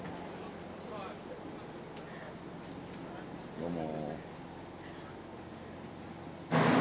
どうも。